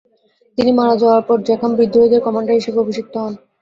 তিনি মারা যাওয়ার পর জ্যাকাম বিদ্রোহীদের কমান্ডার হিসেবে অভিষিক্ত হন।